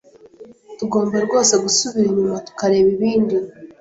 Tugomba rwose gusubira inyuma tukareba ibindi.